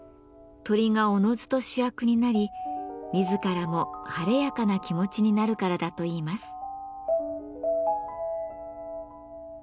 鳥がおのずと主役になり自らも晴れやかな気持ちになるからだといいます。